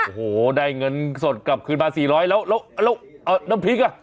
โอ้โฮได้เงินสดกลับขึ้นมา๔๐๐แล้วน้ำพริกอะ